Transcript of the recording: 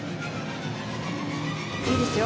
いいですよ